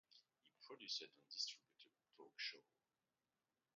It produced and distributed talk shows.